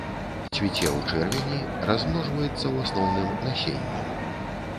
Цвіце ў чэрвені, размножваецца ў асноўным насеннем.